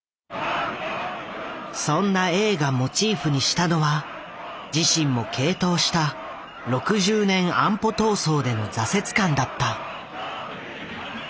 そんな永がモチーフにしたのは自身も傾倒した６０年安保闘争での挫折感だった。